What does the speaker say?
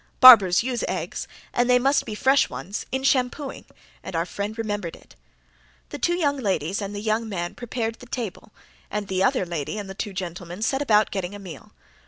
Barbers use eggs, and they must be fresh ones, in shampooing, and our friend remembered it. The two young ladies and the young man prepared the table, and the other lady and the two gentlemen set about getting a meal.